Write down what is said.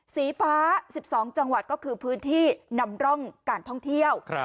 สีฟ้า๑๒จังหวัดก็คือพื้นที่นำร่องการท่องเที่ยว